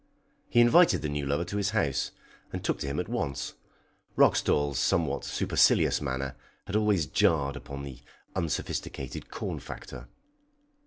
He invited the new lover to his house, and took to him at once. Roxdal's somewhat supercilious manner had always jarred upon the unsophisticated corn factor.